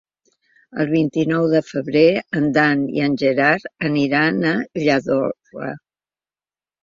El vint-i-nou de febrer en Dan i en Gerard aniran a Lladorre.